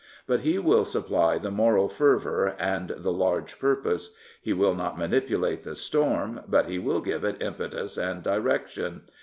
But he will supply the moral fervour and the large purpose. He will not manipulate the storm, but he will give it impetus and direction.